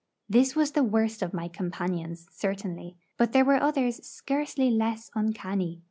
This was the worst of my companions, certainly; but there were others scarcely less uncanny.